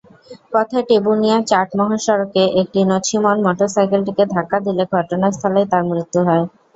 পথে টেবুনিয়া-চাটমোহর সড়কে একটি নছিমন মোটরসাইকেলটিকে ধাক্কা দিলে ঘটনাস্থলেই তার মৃত্যু হয়।